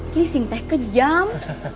lising teh kejam